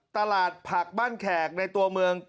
ตลาดผักบ้านแขกในตัวเมือง